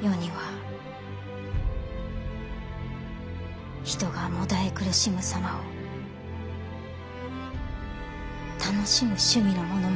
世には人がもだえ苦しむ様を楽しむ趣味のものもおるというぞ。